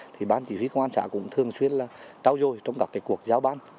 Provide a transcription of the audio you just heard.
thì bán chỉ huy công an xã cũng thường xuyên là trao dôi trong các cái cuộc giao bán